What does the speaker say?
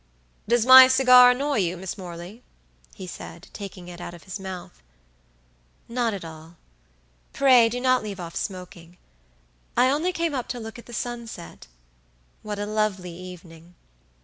"Does my cigar annoy you, Miss Morley?" he said, taking it out of his mouth. "Not at all; pray do not leave off smoking. I only came up to look at the sunset. What a lovely evening!"